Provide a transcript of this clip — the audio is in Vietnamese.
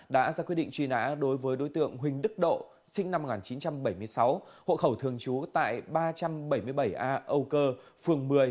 đã ra quyết định truy nã đối với đối tượng huỳnh đức độ sinh năm một nghìn chín trăm bảy mươi sáu hộ khẩu thường trú tại ba trăm bảy mươi bảy a âu cơ phường một mươi